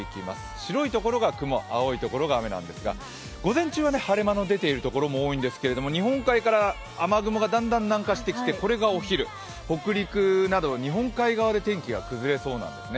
白いところが雲、青いところが雨なんですが、午前中は晴れ間の出ているところも多いんですけれども、日本海から雨雲がだんだん南下してきて、これがお昼北陸など日本海側で天気が崩れそうなんですね。